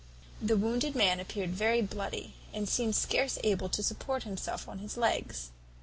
The wounded man appeared very bloody, and seemed scarce able to support himself on his legs.